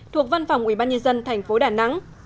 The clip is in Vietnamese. thuộc văn phòng ủy ban nhân dân tp đà nẵng